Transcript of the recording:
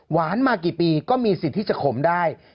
มากี่ปีก็มีสิทธิ์ที่จะขมได้